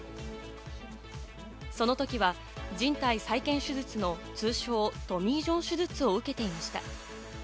そのときはじん帯再建手術の通称トミー・ジョン手術を受けていました。